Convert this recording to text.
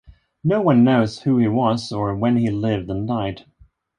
No one knows who he was, or when he lived and died.